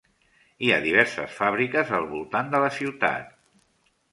Hi ha diverses fàbriques al voltant de la ciutat.